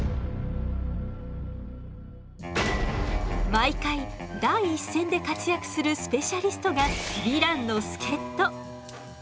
毎回第一線で活躍するスペシャリストがヴィランの助っと！